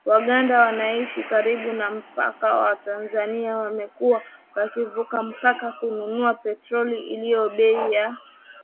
Waganda wanaoishi karibu na mpaka wa Tanzania wamekuwa wakivuka mpaka kununua petroli iliyo bei ya chini.